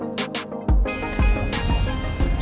kamu mau ngapain